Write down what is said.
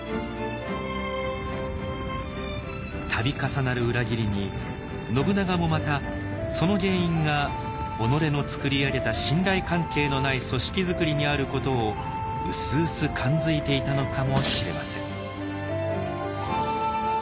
度重なる裏切りに信長もまたその原因が己のつくり上げた信頼関係のない組織づくりにあることをうすうす感づいていたのかもしれません。